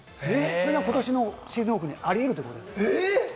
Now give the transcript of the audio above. これがそのシーズンオフにありうるということです。